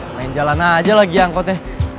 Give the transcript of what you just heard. main jalan aja lagi angkotnya